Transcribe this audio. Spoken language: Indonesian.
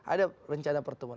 ada rencana pertemuan